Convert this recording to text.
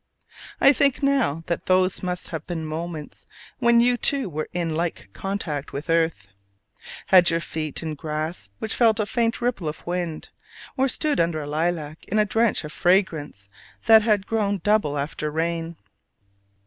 I think now that those must have been moments when you too were in like contact with earth, had your feet in grass which felt a faint ripple of wind, or stood under a lilac in a drench of fragrance that had grown double after rain.